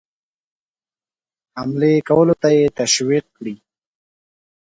حملې کولو ته یې تشویق کړي.